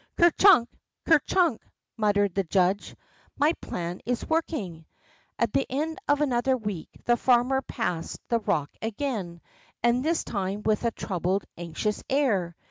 Ker chunk! Ker chunk! '' muttered the judge, my plan is working 1 '' At the end of another week, the farmer passed the rock again, and this time with a troubled, anxious air.